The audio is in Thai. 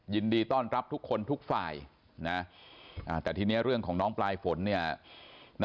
ยินดีต้อนรับทุกคนทุกฝ่ายนะแต่ทีนี้เรื่องของน้องปลายฝนเนี่ย